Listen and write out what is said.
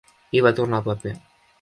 I va tornar el paper.